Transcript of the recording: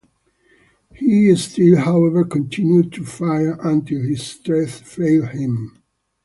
He still however continued to fire until his strength failed him.